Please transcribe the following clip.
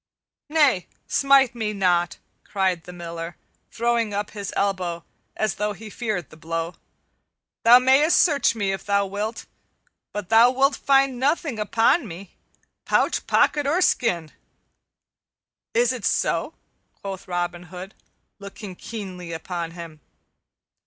"Nay, smite me not!" cried the Miller, throwing up his elbow as though he feared the blow. "Thou mayst search me if thou wilt, but thou wilt find nothing upon me, pouch, pocket, or skin." "Is it so?" quoth Robin Hood, looking keenly upon him.